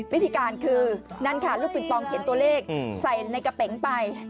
วิธีการคือนั่นค่ะลูกปิงปองเขียนตัวเลขใส่ในกระเป๋งไป